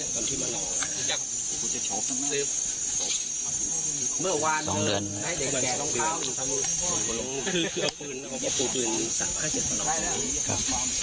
คือเอาปืนเอาปืนสั่ง๕๗ตอนนี้ครับ